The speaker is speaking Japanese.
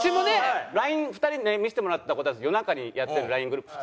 ２人のＬＩＮＥ見せてもらった事あるんですけど夜中にやってるＬＩＮＥグループ。